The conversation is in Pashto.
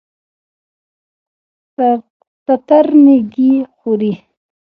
تتر ميږي خوري.